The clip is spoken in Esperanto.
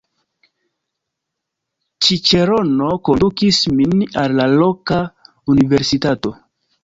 Ĉiĉerono kondukis min al la loka universitato.